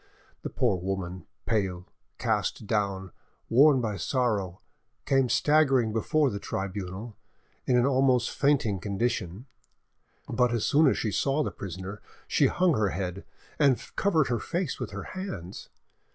The poor woman, pale, cast down, worn by sorrow, came staggering before the tribunal, in an almost fainting condition. She endeavoured to collect herself, but as soon as she saw the prisoner she hung her head and covered her face with her hands.